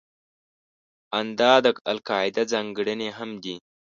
ان دا د القاعده ځانګړنې هم دي.